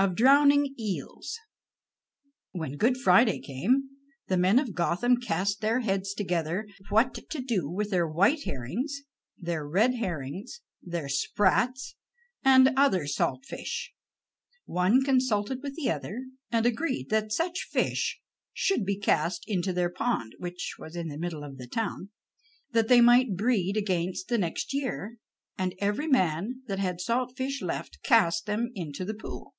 OF DROWNING EELS When Good Friday came, the men of Gotham cast their heads together what to do with their white herrings, their red herrings, their sprats, and other salt fish. One consulted with the other, and agreed that such fish should be cast into their pond (which was in the middle of the town), that they might breed against the next year, and every man that had salt fish left, cast them into the pool.